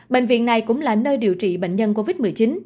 bệnh viện này cũng là nơi điều trị bệnh nhân covid một mươi chín